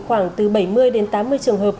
khoảng từ bảy mươi đến tám mươi trường hợp